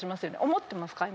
思ってますか？